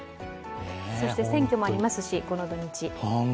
そして選挙もありますしこの土日。